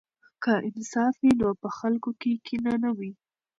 که انصاف وي نو په خلکو کې کینه نه وي.